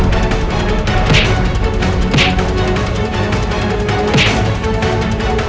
bangkisi kau siarewah